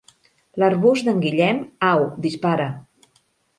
L'arbust d'en Guillem, au dispara!